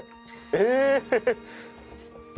え！